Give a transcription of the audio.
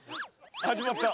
始まった。